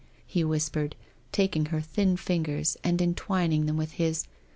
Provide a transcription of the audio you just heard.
he continued, taking her thin fingers and entwining them with his.